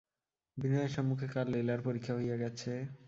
বিনয়ের সম্মুখে কাল লীলার পরীক্ষা হইয়া গেছে।